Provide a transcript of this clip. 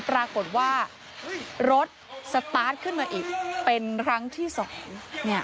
ปรากฏว่ารถสตาร์ทขึ้นมาอีกเป็นครั้งที่สอง